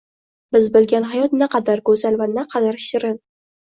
Biz bilgan hayot naqadar go‘zal va naqadar shirin